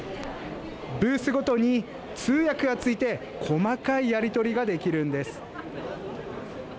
ブースごとに通訳がついて細かいやり取りができるんです。